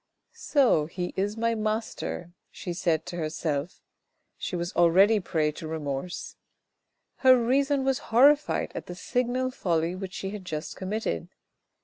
"So he is my master," she said to herself, she was already a prey to remorse. Her reason was horrified at the signal folly which she had just committed.